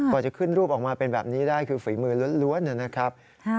กว่าจะขึ้นรูปออกมาเป็นแบบนี้ได้คือฝีมือล้วนนะครับ